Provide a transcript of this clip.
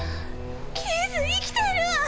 キース生きてるわ！